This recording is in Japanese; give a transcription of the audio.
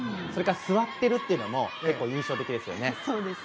それから座っているというのも結構、印象的ですよね。